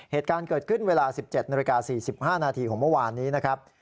เหตุการณ์เกิดขึ้นเวลา๑๗นาฬิกา๔๕นาทีของเมื่อวานนี้นะครับ